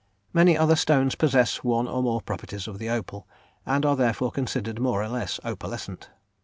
Many other stones possess one or more properties of the opal, and are therefore considered more or less opalescent.